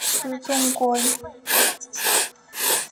本种果实因具刺状物而得名刺蒺藜。